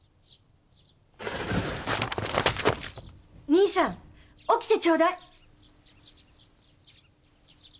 兄さん起きてちょうだい。